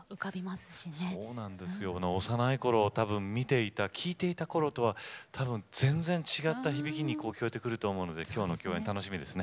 幼いころ見ていた聴いていたころとはたぶん全然違った響きに聞こえてくると思いますのできょうの共演楽しみです。